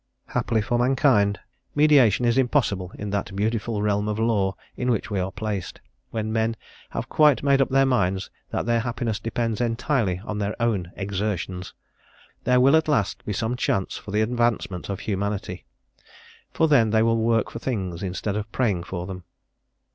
Happily for mankind, mediation is impossible in that beautiful realm of law in which we are placed; when men have quite made up their minds that their happiness depends entirely on their own exertions, there will at last be some chance for the advancement of Humanity, for then they will work for things instead of praying for them.